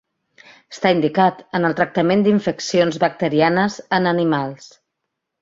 Està indicat en el tractament d'infeccions bacterianes en animals.